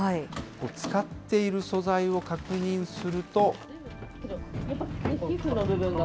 使っている素材を確認すると。